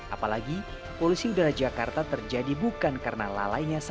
apalagi polusi udara jakarta terjadi bukan karena lalainya sakit